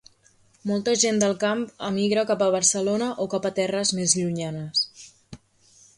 Molta gent del camp emigra cap a Barcelona o cap a terres més llunyanes.